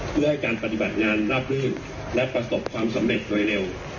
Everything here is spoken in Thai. เพื่อให้การปฏิบัติงานราบลื่นและประสบความสำเร็จโดยเร็ว